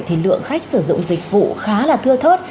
thì lượng khách sử dụng dịch vụ khá là thưa thớt